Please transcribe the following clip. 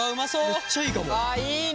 めっちゃいいかも！